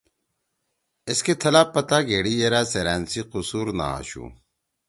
ایسکے تھلہ پتہ گھیڑی یرأ سیرأن سی قصور نہ آشُو۔